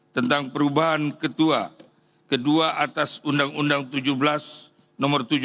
tentang perubahan ketua kedua atas undang undang tujuh belas nomor tujuh belas